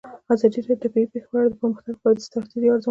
ازادي راډیو د طبیعي پېښې په اړه د پرمختګ لپاره د ستراتیژۍ ارزونه کړې.